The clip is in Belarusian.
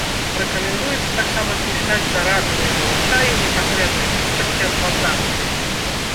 Рэкамендуецца таксама знішчаць заражаныя малачаі ў непасрэднай блізкасці ад плантацыі.